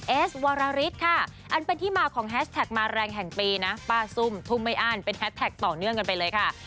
เอสวรริสค่ะอันเป็นที่มาของแฮชแท็กมาแรงแห่งปีนะป้าซุ่มทุ่มไม่อ้านเป็นแฮสแท็กต่อเนื่องกันไปเลยค่ะ